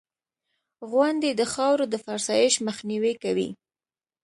• غونډۍ د خاورو د فرسایش مخنیوی کوي.